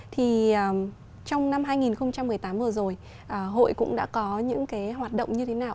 thì trong năm hai nghìn một mươi tám vừa rồi hội cũng đã có những cái hoạt động như thế nào